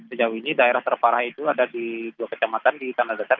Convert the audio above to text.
sejauh ini daerah terparah itu ada di dua kecamatan di tanah dasar